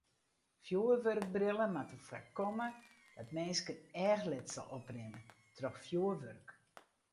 Fjoerwurkbrillen moatte foarkomme dat minsken eachletsel oprinne troch fjoerwurk.